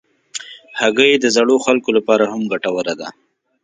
هګۍ د زړو خلکو لپاره هم ګټوره ده.